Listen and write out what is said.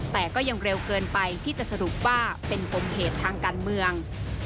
แต่ก็ยังเร็วเกินไปที่จะสรุปว่าเป็นปมเหตุทางการเมือง